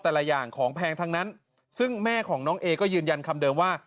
แต่ละอย่างของแพงทั้งนั้นซึ่งแม่ของน้องเอก็ยืนยันคำเดิมว่า